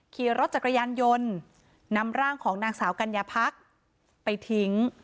ขี่รถจักรยานยนต์นำร่างของนางสาวกัญญาพักไปทิ้ง